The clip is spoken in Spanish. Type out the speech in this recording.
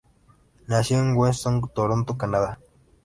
Nació en Weston, Toronto, Canadá.